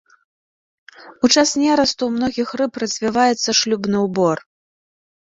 У час нерасту ў многіх рыб развіваецца шлюбны ўбор.